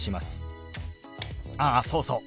あっそうそう。